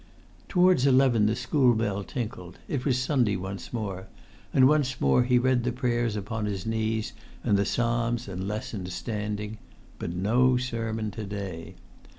Towards eleven the school bell tinkled. It was Sunday once more; and once more he read the prayers upon his knees and the psalms and lessons standing; but no sermon to day.